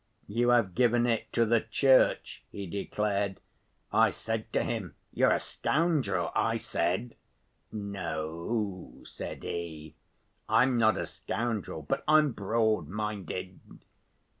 'You have given it to the Church,' he declared. I said to him: 'You're a scoundrel,' I said. 'No,' said he, 'I'm not a scoundrel, but I'm broad‐minded.